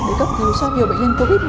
để cấp cứu cho nhiều bệnh nhân covid một mươi